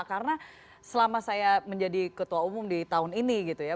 karena selama saya menjadi ketua umum di tahun ini gitu ya